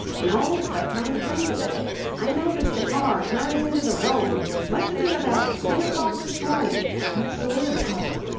"No, but come to think of it, I noticed a car turn into the road. Must have been about ten o'clock this morning." "What sort of car?"